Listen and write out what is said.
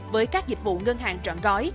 với các dịch vụ ngân hàng trọn gói